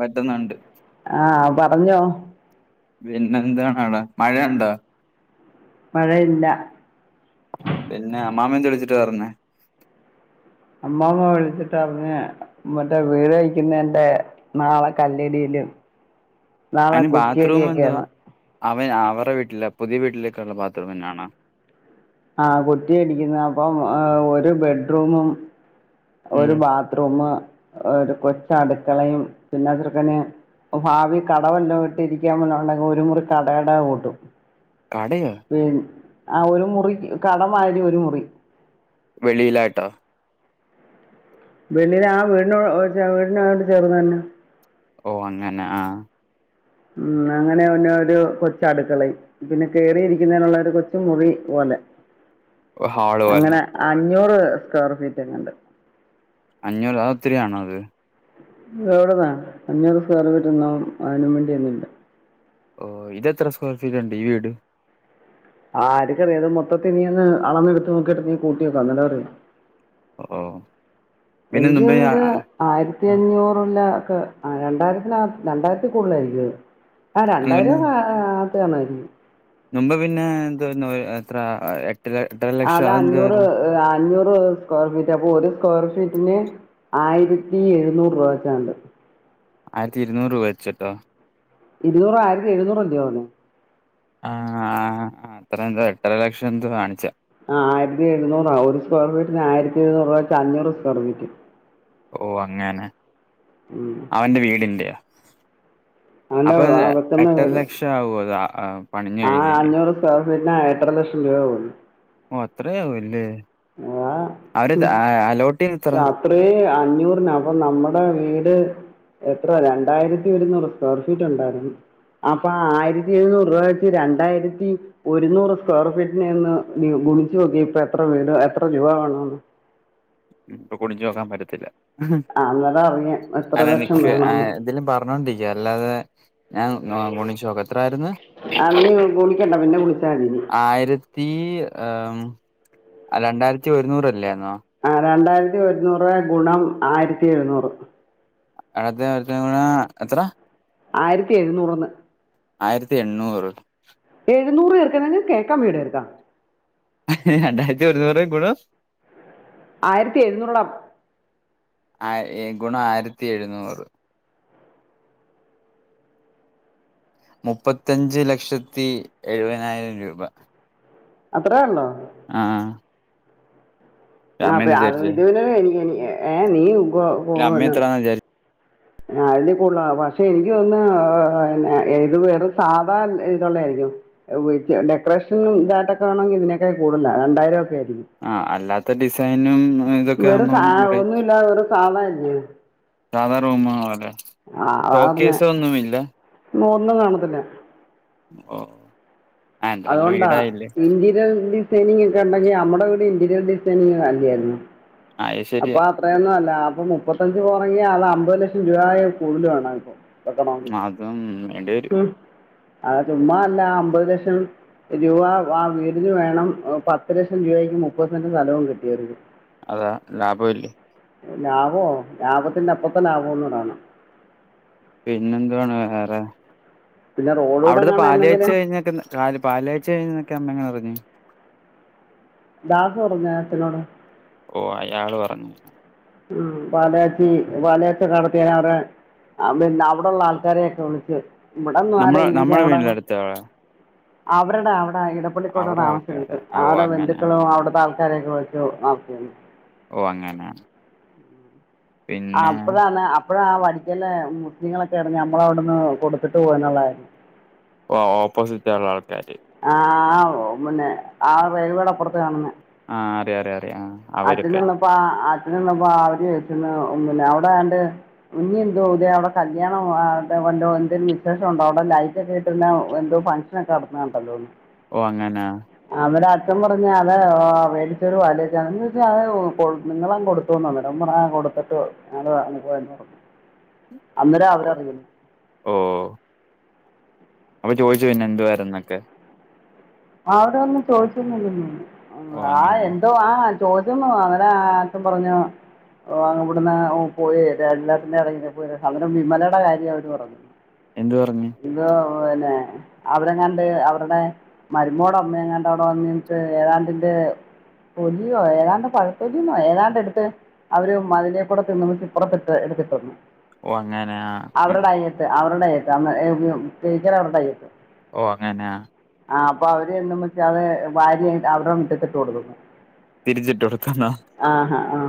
പറ്റുന്നുണ്ട് ആഹ് പറഞ്ഞോ പിന്നെന്താണ് അവിടെ മഴ ഇണ്ടോ മഴയില്ല പിന്നെ അമ്മാമ്മ എന്താ വിളിച്ചിട്ട് പറഞ്ഞെ അമ്മമ്മ വിളിച്ചിട്ട് പറഞ്ഞ് മറ്റേ വീട് വയ്ക്കുന്നന്റെ നാളെ കല്ലിടിലും അതിന് ബാത്ത്റൂം എന്തുവാ അവൻ അവര്ടെ വീട്ടിലെ പുതിയ വീട്ടിലേക്കുള്ള ബാത്റൂംന് ആണോ ആ കുറ്റി അടിക്കുന്ന അപ്പം ഒരു ബെഡ്റൂമും ഉം ഒരു ബാത്ത്റൂം ഒരു കൊച്ച് അടുക്കളയും പിന്നെ ചെർക്കന് ഭാവി കടവെല്ലാം ഇട്ട് ഇരിക്കാൻ പോല ഉണ്ടെങ്കിൽ ഒരു മുറി കടേടെ കൂട്ടും കടയൊ പിന്നെ ആ ഒരു മുറി കടമാരി ഒരു മുറി വെളിയിലാട്ടോ വെളില് ആ വീടനോ വീടിനോട് ചേർന്നു തന്നെ ഓ അങ്ങനെ ആഹ് ഉം അങ്ങനെ തന്നെ ഒരു കൊച്ച് അടുക്കളയും പിന്നെ കേറിയിരിക്കുന്നതിനുള്ള ഒരു കൊച്ച് മുറി പോലെ ഒരു ഹാളു പോലെ അങ്ങനെ അഞ്ഞൂറ് സ്ക്വയർ ഫീറ്റ് എങ്ങാണ്ട് അഞ്ഞൂറ് അത് ഒത്തിരിയാണോ അത് എവിടുന്നാ അഞ്ഞൂറ് സ്ക്വയർ ഫീറ്റ് ഒന്നും അതിനും വേണ്ടി ഒന്നും ഇല്ല ഓ ഇത് എത്ര സ്ക്വയർ ഫീറ്റ് ഉണ്ട് ഈ വീട് ആരിക്കക്കറിയാം അത് മൊത്തത്തി നീ ഒന്ന് അളന്ന് എടുത്ത് നോക്കിയിട്ട് നീ കൂട്ടി നോക്ക് അന്നേരം അറിയാം ഓ പിന്നെ എനിക്ക് മുമ്പേ തോന്നുന്നേ ആ ഇത് ആയിരത്തി ആ, അഞ്ഞൂറുള്ള ഒക്കെ രണ്ടായിരത്തിനക രണ്ടായിരത്തി കൂടുതല് ആയിരിക്കും അത് ആഹ് അല്ല രണ്ടായിരം അകത്ത് കാണുവായിരിക്കും മുമ്പേ പിന്നെ എന്തു ആരുന്നു എത്ര എ എട്ടര എട്ടര ല അതാ അഞ്ഞൂറ് ആ അഞ്ഞൂറ് സ്ക്വയർ ഫീറ്റ് അപ്പൊ ഒരു സ്ക്വയർ ഫീറ്റിന് ആയിരത്തി എഴുന്നൂറ് രൂപ വെച്ചങ്ങാണ്ട് ആയിരത്തി ഇരുന്നൂറ് രൂപ വെച്ചെട്ടോ ഇരുന്നൂറ് ആയിരത്തി എഴുന്നൂറ് അല്ല്യോ വന്നേ ആഹ് ആഹ് അത്ര എന്തോ എട്ടര ലക്ഷം എന്തോ കാണിച്ചേ ആഹ് ആയിരത്തി എഴുന്നൂറാ ഒരു സ്ക്വയർ ഫീറ്റിന് ആയിരത്തി എഴുന്നൂറ് രൂപ വെച്ച് അഞ്ഞൂറ് സ്ക്വയർ ഫീറ്റ് ഓ അങ്ങനെ ഉം അവന്റെ വീടിന്റെ അങ്ങനെ അപ്പൊ ആ വെക്കുന്ന എട്ടര ലക്ഷം ആകുവോ അതാ ആഹ് അഞ്ഞൂറ് സ്ക്വയർ ഫീറ്റിന് ഏട്ടര ലക്ഷം രൂപ ആകുന്ന് ഓ അത്രയാവല്ലേ അവര് ദ അ അലോട്ട് ചെയ്യുന്നത് എത്ര? അത്രേ അഞ്ഞൂറിന് അപ്പൊ നമ്മടെ വീട് എത്ര രണ്ടായിരത്തി ഒരുന്നൂറ് സ്ക്വയർ ഫീറ്റ് ഉണ്ടായിരുന്നു അപ്പൊ ആയിരത്തി എഴുന്നൂറ് രൂപ വെച്ച് രണ്ടായിരത്തി ഒരുന്നൂറ് സ്ക്വയർ ഫീറ്റിന് നിന്ന് ഗുണിച്ചു നോക്കിയേ ഇപ്പ എത്ര വീട് എത്ര രൂപ വേണോന്ന് ഇപ്പൊ ഗുണിച്ചു നോക്കാൻ പറ്റത്തില്ല ആ, അന്നേരം അറിയാം എത്ര അല്ല ലക്ഷം നിക്ക് വേണമെന്ന് എതിലും പറ പറഞ്ഞോണ്ടിരിക്ക അല്ലാതെ ഞാൻ ഗുണിച്ച് നോക്ക ആ നീ ഗുണിക്കണ്ട പിന്നെ വിളിച്ചാൽ മതി ആയിരത്തി രണ്ടായിരത്തി ഒരുന്നൂറല്ലേന്നോ ആ രണ്ടായിരത്തി ഒരുന്നൂറ് ഗുണം ആയിരത്തി എഴുന്നൂറ് അടുത്തെ ഇടതേം കൂടെ എത്ര ആയിരത്തി എഴുന്നൂറന്ന് ആയിരത്തി എണ്ണൂറ് എഴുന്നൂറ് ചെറുക്കാനേ നിനക്ക് കേൾക്കാൻ വയ്യെടാ ചെറുക്കാ രണ്ടായിരത്തി ഒരുന്നൂറ് ഗുണം ആയിരത്തി എഴുന്നൂറെടാ ആ ഗുണം ആയിരത്തി എഴുന്നൂറ് മുപ്പത്തിയഞ്ച് ലക്ഷത്തി എഴുപതിനായിരം രൂപ അത്ര ഉള്ളോ ആഹ ആ് അ അ വിചാരിച്ചേ? ഇതുന എനിക്ക് ഏ നീ ഉുഖോ പിന്ന അമ്മ എത്രന്ന വിചാ അതിൽ കൂടുത പക്ഷെ എനക്ക് തോന്ന് ഇത് വെറും സാധാ ഇതള്ളത് ആായിരിക്കും ഡെക്കറേഷനും ഇതായിട്ടൊക്കെേണെങ്ക ഇതിനൊക്കെ കൂടുന്ന രണ്ടായിരം ഒക്കെ ആയിരിക്കും ആ അല്ലാത്ത ഡിസൈനും ഇതൊക്കെ വെറും സ ആകുമ്പം പറയും ഒന്നും ഇല്ലാതെ ഒരു സാധാ ഇല്ലേ സാധാ റൂം ആവൂലെ ആ അതാ പറഞ്ഞെ ഒന്നും കാണത്തില്ല ഓ ഓ അതുകൊണ്ടാ ഇൻറ്റീരിയർ ഡിസൈനിങ് ഒക്കെ ഉണ്ടെങ്കിൽ നമ്മടെ വീടെ ഇന്റീരിയർ ഡിസൈനിങ് അല്ലായിരുന്നു ആ അത് അപ്പൊ ശരിയാ അത്രയൊന്നും അല്ല അപ്പൊ അത്രയുന്നുമല്ല മുപ്പത്തഞ്ച് കൊറഞ്ഞു അത് അമ്പത് ലക്ഷം രൂപ കൂടുതൽ വേണം ഇപ്പൊ വെക്കണോങ്കി അതും വേണ്ടി വരും ഉം ചുമ്മാ അല്ല അമ്പത് ലക്ഷം രൂപ ആ വീടിന് വേണം പത്ത് ലക്ഷം രൂപയ്ക്ക് മുപ്പത് സെന്റ് സ്ഥലവും കിട്ടിയർക്ക് അതാ ലാഭം ഇല്ലേ ലാഭോ ലാഭത്തിന്റെ അപ്പത്തലാഭോന്ന് പറയണം പിന്നെന്തുവാണ് വേറെ പിന്നെ റോഡൂടെ അവിടത്തെ എങ്ങാനും പാല്കാഴ്ച്ച എന്തെങ്കിലും കഴിഞ്ഞക്ക കല് പാലാഴ്ചഴഞ്ഞൊക്ക അമ്മ എങ്ങെനെ അറിഞ്ഞു ദാസ് പറഞ്ഞു അച്ചനോട്‌ ഓ അയാള് പറഞ്ഞു ഉം പാലാച്ചി പാലാച്ചി നടത്തി അവടെ ആ പിന്നെ അവിടെള്ള ആൾക്കാരെയൊക്കെ വിളിച്ച്ച് ഇവിടെന്നും നമ്മളെ ആരേം വിളിക്ക നമ്മുടെ എട വീടിന്റെ അടുത്ത ആളാ അവരുടെ അവിടെ അവരുടെഇടപ്പള്ളിക്കോടെ അവരുടെ താമസണ്ട് ആൾക്കാരാ ആ ഓ ആവിടെ അങ്ങനെ ബന്ധുക്കളും അവിടെത്തെ ആക്ക റേക്കെ വെച്ച് ആക്കിയെന്ന് ഓ അങ്ങനെ പിന്നെ അപ്പഴാണ് അപ്പഴ ആ വടിക്കന്ന് അപ്പളാ മുസ്ലിങ്ങളൊക്കെണ് ഞ്ഞമ്മളവ്ടുന്ന് കൊടുത്തിട്ട് പോയി ന്നുള്ളര്യം ഓ ഓപ്പോസിറ്റ് ഒള്ള ആൾക്കാര് ആ പിന്നെ ആ റെയിൽവേയുടെ അപ്പുറത്ത കാണുന്ന ആഹ അറിയ അറ അറിയ ആ അച്ഛൻ അവരൊക്കെ ചെന്നപ്പോ അഛ ചെന്നപ്പോ അവര് ചോയിച്ച്ന്ന് അവിടെയാണ്ട് ഇനി എന്തോ ഇതേ അവിടെ കല്യാണം വല്ലോം എന്തേലും വിശേഷമുണ്ടോ അവിടെ ലൈറ്റൊക്കെ ഇട്ടിന്ന എന്തോ ഫംഗ്ഷൻ ക്കെ നടന്ന് കണ്ടല്ലോന്ന് ഓ അങ്ങനാ അവര അച്ഛൻ പറഞ്ഞ അത പേടിച്ചരു പാല്കയിച്ചണ്ന്ന് ത് നിങ്ങളാൻ കൊടുത്തുന്നോ കൊടുത്തിട്ട് ഞ അനുഭവ പറഞ്ഞു അന്നേരം ഓ അവര് അറിഞ്ഞത് ഓ ങ്ങൾ ചോയ്ച്ചോ പിന്നെന്തു വാര്ന്നൊക്കെ അവിടെന്നും ഓ ചോദിച്ചിരുന്നില്ല ആ അങ്ങനെ എന്തോ ആ ചോദ്യന്നോ അങ്ങനെ ആത്തം പറഞ്ഞു ഓ അവിടുന്ന് ഓ പോയി റെഡ് അലേർട്ടിന്റെടെ പോയി അങ്ങനെ വിമലെടെ കാര്യം അവര് പറഞ്ഞു എന്ത് പറഞ് ഇത് പിന്നെ അവരെങ്ങാണ്ട് അവര്ടെ മരുമോടെ അമ്മ എങ്ങാണ്ടോവിട വന്ന്ട്ട് ഏതാണ്ടന്റെ പൊതിയോ ഏതാണ്ട് പഴത്തൊലിയന്നോ ഏതാണ്ട് എടുത്ത് അവര് മതിലെപ്പുറത്ത് നിന്ന് ഇപുറത്തിട്ട് എടുത്തിട്ടന്നു ഓ അങ്ങനെ ആഹ് അവരുടെ അയ്യത്ത് അവരുടെ അയ്യത്ത് ടീച്ചറെ അവരുടെ അയ്യത്ത് ഓ അങ്ങനാ ആ അപ്പൊ അവര് എന്നുവച്ചഅത് ഭാര്യ അവിടെ മിറ്റട്ടിത്തിട്ട് കൊടുക്കുന്നു തിരിച്ചിട്ട് കൊടുത്തന്നോ ആ ഹ ആ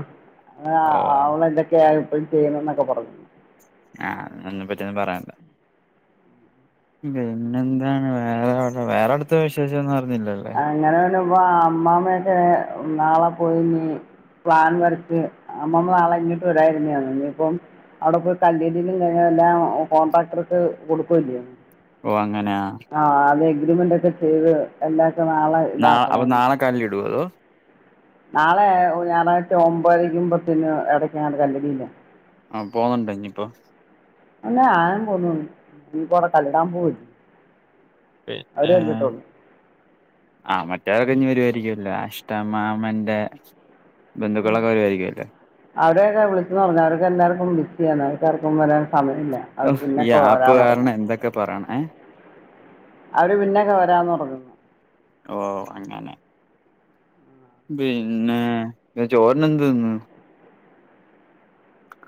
ഓ അ അവളെ ന്തൊക്കെ എപ്പഴും ചെയ്യണ് ന്നൊക്കെ പറഞ്ഞു ആഹ് നി ഒന്നിനെ പറ്റിയൊന്നും പറയണ്ട പിന്നെന്താണ് വേറെവിടെ വേറട്ത്ത വിശേഷന്നും പറിഞ്ഞില്ലല്ലേ പിന്നപ്പ അമ്മാമ്മയൊക്കെ നാളെ പോയിനി പ്ലാൻ വരച്ച് അമ്മമ്മ നാളങ്ങട്ട് വരാനിരുന്ന ഇനിയിപ്പം അവിടെ പോയി കല്ലിടലും കയിഞ്ഞാ എല്ലാം കോൺട്രാക്ടർക്ക് കൊടുക്കല്ലോ ഓ അങ്ങനെ ആ ആഹാ അത് എഗ്രിമെന്റ് ഒക്കെ ചെയ്ത് എല്ലാർക്കും നാളെ- നാ അപ്പോ ഇതാക്കണം നാളെക്കല്ലിടോ അതോ? നാളെ ഞായറാഴ്ച ഒമ്പരക്കും, പത്തിനും ഇടയ്ക്കാണ് കല്ലിടില്. ആഹാ പോകണ്ടേ ഇനി ഇപ്പോ? അതിന് ഞാൻ പോന്നൊന്നുല്ല, നീ കൊറേ കല്ലിടാൻ പോവല്ലേ. പിന്നെ... ! ആഹാ മറ്റേവാരൊക്കെ ഇനി വരുവായിരിക്കുമല്ലോ, അഷ്ടമ്മ അമ്മന്റെ ബന്ധുക്കളൊക്കെ വരുമായിരിക്കുമല്ലോ? അവരെയൊക്കെ വിളിച്ചു പറഞ്ഞെ, അവർക്കെല്ലാവർക്കും ബിസിയാണ് അവർക്കാർക്കും വരാൻ, സമയമില്ല ഓ അവര് പിന്നെ ഈ ആപ്പ് പോരാന്നു പറഞ്ഞു. കാരണം എന്തൊക്കെ പറയണേ അവര് പിന്നൊക്കെ വരാന്ന് പറഞ്ഞു. ഓ അങ്ങനെ. പിന്നെ ചോറിന് എന്തുതിന്ന്?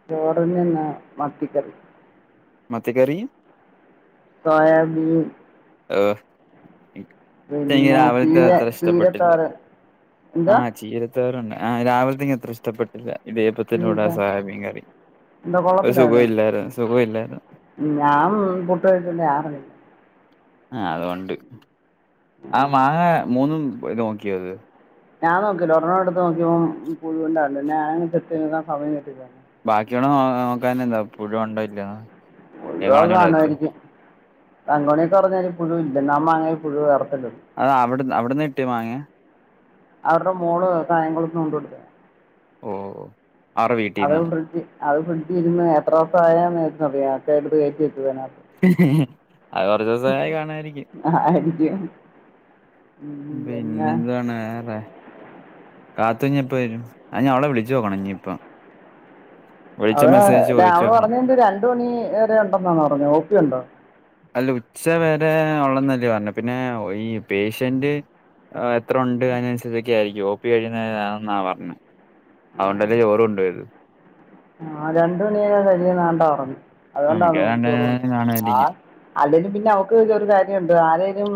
ചോറിനെന്ന മത്തിക്കറി. മത്തി കറി. സോയാബീൻ. ഓഹാ... ! എനിക്ക് പിന്നെ രാവിലത്തെ ചീര അത്ര ഇഷ്ടപ്പെട്ടില്ല ചീരത്തോരൻ എന്തോ ആഹ ചീര- [unintelligible] രാവിലത്തെ അത്ര ഇഷ്ടപ്പെട്ടില്ല. ഇടിയപ്പത്തിന്റെ കൂടെ എന്താ സഹ മീൻ കറി എന്തോ ഒരു കൊള്ളത്തില്ലായിരുന്നു സുഖമില്ലരുന്നു സുഖം ഇല്ലായിരുന്നു ഞാൻ പുട്ട് കഴച്ചിട്ടുണ്ട് ആറു മണിക്ക്. ആഹാ അതുകൊണ്ട്, ആ മാങ്ങ മൂന്നും നോക്കിയോ അത്? ഞാൻ നോക്കിയില്ല ഒരെണ്ണം എടുത്ത് നോക്കിയപ്പോ- പുഴുണ്ടരുന്നു പിന്നെ ഞാൻ ചെത്തി എടുക്കാൻ സമയം കിട്ടിയില്ല. ബാക്കിയടെ നോ നോക്കാനല്ലേ പുഴു ഉണ്ടോ ഇല്ലേ എന്ന്. [unintelligible] യിരിക്കും. [unintelligible] പുഴു ഇല്ല [unintelligible] അത അവിട അവിടെന്ന് കിട്ടിയ മാങ്ങയ അവരുടെ മോള് കായംകുളത്തുന്ന് കൊണ്ട് കൊടുത്ത്. ഓ ഓ അത് ഫ്രിഡ്ജ് അത് ഫ്രിഡ്ജ് ഇരുന്ന്, എത്ര ദിവസ ആയാന്ന്ക്കെ അറിയാ എടുത്തുകയറ്റി വെച്ചു. അതിനകത്ത്. അത് കൊറച്ച് ദിവസ ആയി കാണായിരിക്കും അ ആയിരം രൂപാണ് പിന്നെന്താണ് വേറെ കാത്തു ഞ്ഞിപ്പോവരും? ഞാൻ അവളെ വിളിച്ചോക്കണഞ്ഞിപ്പോ. അവിടെ ചോദിച്ചു രാവു നോക്കണം പറഞ്ഞു രണ്ടുമണിവരെ ഉണ്ടെന്നു പറഞ്ഞു ഓപ്പിയുണ്ടോ? അല്ല ഉച്ച വരെ ഉള്ളന്നല്ലേ പറഞ്ഞു പിന്നെ ഈ പേഷ്യന്റ്. എത്ര ഉണ്ട് അതിനനുസരിച്ചൊക്കെ ആയിരിക്കും ഓപി കഴിയുന്നാെന്നാ പറഞ്ഞേ. അതോണ്ടാണ് ചോറു രണ്ടു മണിയാവുമ്പോൾ ഞാൻ പെരീ നിറങ്ങും ആ അതുകൊണ്ടാണ് മിക്ക ഞാൻ രണ്ട് നേരം ചോറുകൊണ്ടൊക്ണെ. കാണുമായിരിക്കും അല്ലേങ്കലും പിന്നെ അവക്ക് കാര്യമുണ്ട് ആരേലും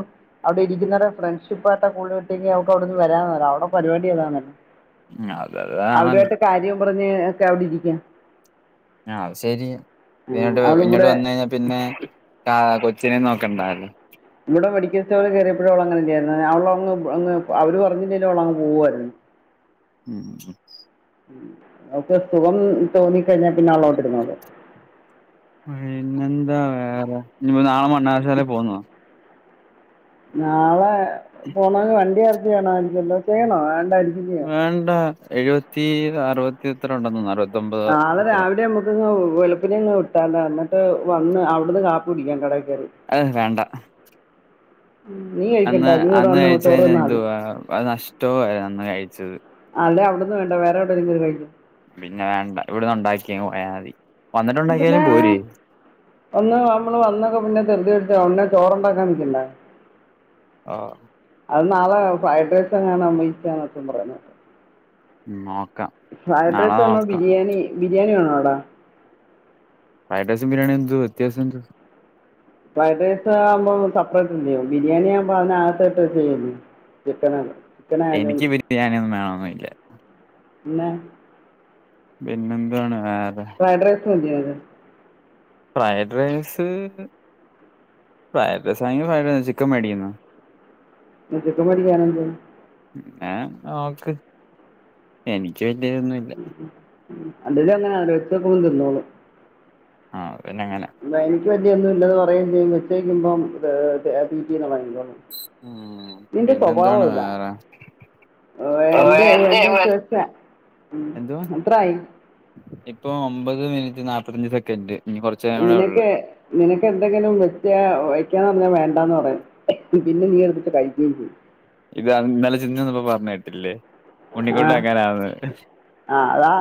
അവിടെ ഇരിക്കുന്ന ഫ്രണ്ട്ഷിപ്പ് കൂട്ടുകെട്ടിന് അവക്കവിടന്ന് വരാനാവൂല അവിടെപരിപാടി അതാണല്ലോ. ഉം അത് ത് കാണാൻ അവരുമായിട്ട് കാര്യം പറഞ്ഞ് ഒക്കെ അവിടെരിക്കാ. ആഹ് അത് ശെരി ഇങ്ങട്ട് ഇങ്ങട്ട് കൂടെ വന്നു കഴിഞ്ഞാൽ പിന്നെ ആ. കൊച്ചിനെ നോക്കണ്ടാ [unintelligible] ഇവിടെ മെഡിക്കൽ സ്റ്റോറിൽ കയറിയപ്പഴും അവളങ്ങനന്നെയായിരുന്നു അവൾ അങ്ങ് അങ്ങ് അവരു പറഞ്ഞില്ലേലും അവിളങ്ങ് പോവുമായിരുന്നു. [unintelligible] ഓക്കൊരുസുഖം തോന്നിക്കഴിഞ്ഞാൽ പിന്നെ അവളവിട്ടിരന്നോള് പിന്നെന്താ വേറെ ഇനിയിപ്പ നാളെ മണ്ണാറശാലയിൽപോകുന്നോ നാളെ പോണ വണ്ടി അറേഞ്ചു ചെയ്യണാരിക്കല്ലോ വേണോ വേണ്ടാ വേണ്ട എഴുപത്തി അറുപത്തി എത്രണ്ടന്ന് തോന്നുന്നു അറുപ ആളെ രാവിലെ മു- [unintelligible] വെളുപ്പിന് ഉട്ടാണ്ട എന്നിട്ട് വന്ന്. അവിടുന്ന് കാപ്പി കുടിക്കാൻ കടേ കേറി. അത് വേണ്ട. നീയ് അന്ന് അന്ന് കഴിച്ചത് പിന്നെന്തു വാ? അത് നഷ്ടവാ അന്ന് കഴിച്ചത്. അല്ലെ അവിട്ന്ന് വേണ്ട വേറെവിടെങ്കിലും പോയി കഴിക്കാ പിന്നെ വേണ്ട ഇവിടന്ന് ഉണ്ടാക്കിയങ് പോയാ മതി പിന്നെ വന്നിട്ടുണ്ടാക്കിയാലും പോരെ ഒന്ന് നമ്മള് വന്നൊക്കെ പിന്നെ തൃതിപിടിച്ച പിന്നെ ചോറുണ്ടാക്കാൻ നിിക്കണ്ടെ ആ അത് നാളെ ഫ്രൈഡ് റൈസ് എങ്ങെന്നാ മെഡിക്കാനൊക്കെ പറയുന്നെ ഉം നോക്കാ ഫ്രൈഡ് റൈസ് വേണോ ബിരിയാണി ബിരിയാണി വേണോടാ ഫ്രൈഡൈസ് ബിരിണി ന്ത്‌ വ്യത്യസന്ത്‌ ഫ്രൈഡ് റൈസ് ആവുമ്പോ സപ്പറേറ്റല്ലേ ബിരിയാണി ആകുമ്പോൾ അതിനകത്ത്ട്ട് ചെയ്യല്ലേ കുട്ടൻണ്ടോ എനിക്ക് ബിരിയാണിയൊന്നും വണന്നില്ല എന്ന പിന്നെന്താണ് വേറെ ഫ്രൈഡ്രൈസ് മതീലെ ഫ്രൈഡ് റൈസ് ഫ്രൈഡേസൊക്കെ ആക്കാൻ ചിക്കൻ മേടിക്കുന്നോ അക്കെത്തെ കല്യാണണ്ട് ആഹ ആക്ക് എനിക്ക് എന്തെലൊതൊന്നുല്ല അല്ലേലും ങ്ങനെ ആരോത്തക്കും തന്നോള്ളും ആ പിന്നെ ങ്ങനെ എനിക്ക ങ്ങയൊന്നുല്ല പറയേംചെയും ഉച്ചേക്കുമ്പോ തെ തീറ്റീന്നും ഉം നിന്റെ പിന്നെന്താണ് സ്വഭാവതാ വേറെ ഓ എന്തേ എന്ത ച വെച്ചാ എന്തുവാ അത്രായി ഇപ്പൊ ഒമ്പത് മിനിറ്റ് നാല്പത്തഞ്ച് സെക്കൻഡ് ഇനി കുറച്ച് നേരം കൂടെ ഉള്ളു എങ്ങനെയൊക്കെ നിനക്ക് എന്തെങ്കിലും വെക്കാ വയ്ക്കന്ന് പറഞ്ഞാ വേണ്ടാന്ന് പറയെ പിന്നെ നീ എടുത്തിട്ട് കഴിക്കുകയും ചെയ്യും ഇത് ഇന്നലെ ചിന്നു വന്നപ്പോ പറഞ്ഞ കേട്ടില്ലേ ഉണ്ണികുട്ടൻ എങ്ങനാന്ന് ആഹ് അതാ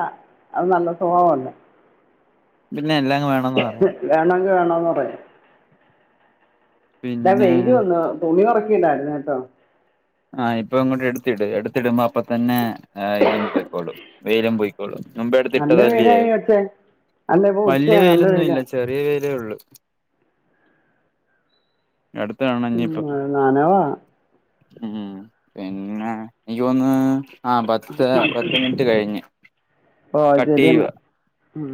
അത് നല്ല സ്വഭാവകൊണ്ട പിന്നെ എല്ലാംങ്ങു വേണം വേണെങ്കിൽ വേണന്ന് പറയാ, ഇവിടെ പിന്നെ വെയില് വന്നു തുണി പിറക്കില്ലായിരുന്നേട്ടോ ആഹ് ഇപ്പൊ ഇങ്ങോട്ട് എടുത്തിട്. എടുത്തിടുമ്പോ അപ്പ തന്നെ ഇതും പോയിക്കോളും വെയിലും പോയിക്കോളൂ. മുമ്പെ എടുത്തി നല്ല ഇട്ടതല്ലേ, വെയിലായി അച്ഛേ അല്ല ഇപ്പൊ വലിയ ഉച്ചയാ നല്ല വെയിലൊന്നും വെയിലാ ഇല്ല ചെറിയ വെയിലേ ഉള്ളു അടുത്താണ് ഉം, നനവാ ഉം പിന്നെ എനിക്ക് തോന്ന്, ആ പത്ത് പത്ത് മിനിറ്റ് കഴിഞ്ഞ്. ഓഹ് ആ കട്ട് ചെയ്യുവാ ശരിയന്നാ ഉം